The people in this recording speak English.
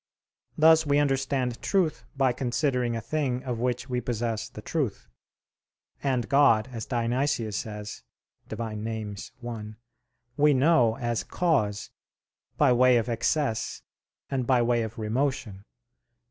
Thus we understand truth by considering a thing of which we possess the truth; and God, as Dionysius says (Div. Nom. i), we know as cause, by way of excess and by way of remotion.